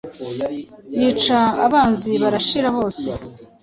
Yica abanzi barashira.bose